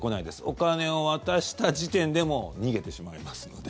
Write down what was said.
お金を渡した時点でもう逃げてしまいますので。